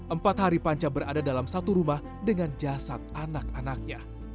empat hari panca berada dalam satu rumah dengan jasad anak anaknya